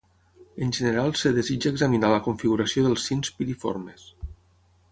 En general es desitja examinar la configuració dels sins piriformes.